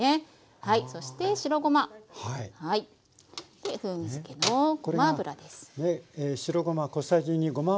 で風味付けのごま油です。